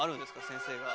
先生。